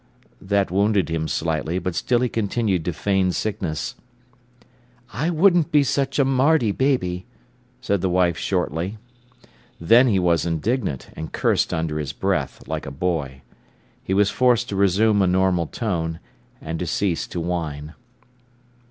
That wounded him slightly, but still he continued to feign sickness. "I wouldn't be such a mardy baby," said the wife shortly. Then he was indignant, and cursed under his breath, like a boy. He was forced to resume a normal tone, and to cease to whine.